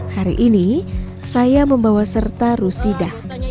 hari ini saya membawa serta rusida